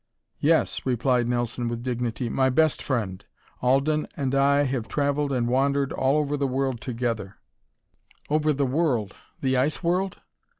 "Yes," replied Nelson with dignity, "my best friend. Alden and I have traveled and wandered all over the world together." "Over the world? The Ice World?"